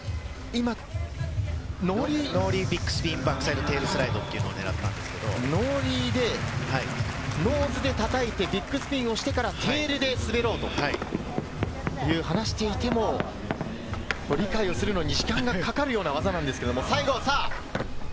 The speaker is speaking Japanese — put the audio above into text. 今、ノーリービッグスピンバックサイドテールスライドっていうのを狙ったんですけど、ノーズで叩いてビッグスピンをしてからテールで滑ろうという、話していても理解をするのに時間がかかるような技なんですけれど。